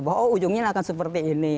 bahwa ujungnya akan seperti ini